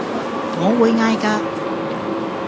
我會嗌㗎